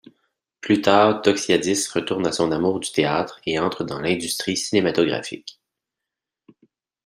Plus tard, Doxiadis retourne à son amour du théâtre et entre dans l'industrie cinématographique.